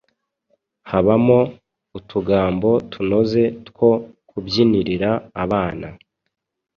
Habamo utugambo tunoze two kubyinirira abana.